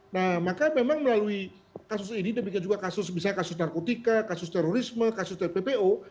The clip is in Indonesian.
nah maka memang melalui kasus ini demikian juga kasus misalnya kasus narkotika kasus terorisme kasus tppo